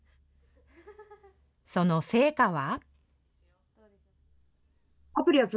その成果は。